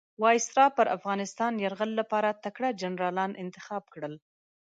وایسرا پر افغانستان یرغل لپاره تکړه جنرالان انتخاب کړل.